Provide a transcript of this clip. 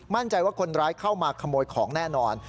มั่นใจว่าคนร้ายเข้ามาขโมยของแน่นอน